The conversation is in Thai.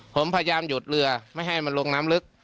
ผมพยายามหยุดเรือไม่ให้มันลงน้ำลึก